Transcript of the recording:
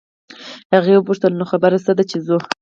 هغې وپوښتل نو خبره څه ده چې ځو.